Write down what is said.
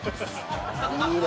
いいね。